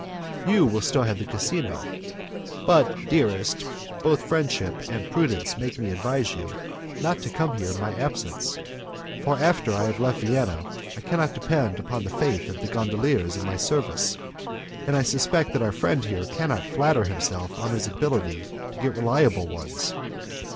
You will still have the casino, but, dearest, both friendship and prudence make me advise you not to come here in my absence, for after I have left Venice I cannot depend upon the faith of the gondoliers in my service, and I suspect our friend here cannot flatter himself on his ability to get reliable ones.